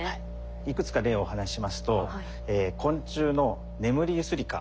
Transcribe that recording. いくつか例をお話ししますと昆虫のネムリユスリカ。